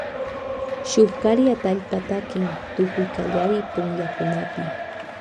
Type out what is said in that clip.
Shuk kari atallpa takin tukuy kallari punllakunapi.